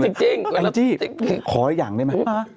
ไอ้จี้ขออีกอย่างได้ไหม